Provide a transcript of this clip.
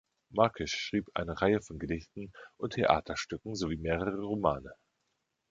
Markish schrieb eine Reihe von Gedichten und Theaterstücken sowie mehrere Romane.